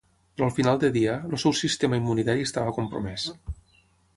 Però al final de dia, el seu sistema immunitari estava compromès.